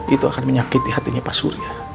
itu akan menyakiti hatinya pak surya